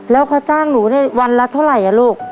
แล้วเขาจ้างหนูเนี่ยวันละเท่าไหร่อ่ะลูก